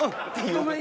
ごめん。